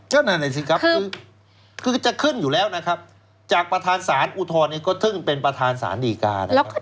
เจ้านั่นไงสิครับคือจะขึ้นอยู่แล้วนะครับจากประธานศาลอุทธรเนี่ยก็ถึงเป็นประธานศาลดีการนะครับ